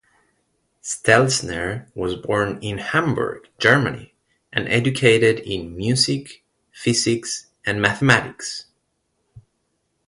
Stelzner was born in Hamburg, Germany, and educated in music, physics and mathematics.